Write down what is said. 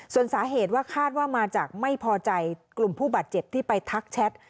ส่วนสาเหตุว่าคาดว่ามาจากไม่พอใจกลุ่มผู้บาดเจ็บที่ไปทักแชท